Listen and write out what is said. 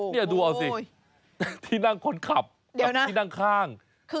นี่ดูเอาสิที่นั่งคนขับกับที่นั่งข้าง